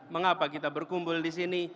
mengapa kita berkumpul disini